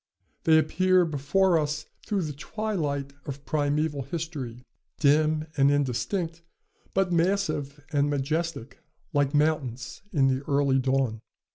They appear before us through the twilight of primeval history, dim and indistinct, but massive and majestic, like mountains in the early dawn.